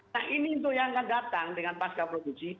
nah ini tuh yang akan datang dengan pasca produksi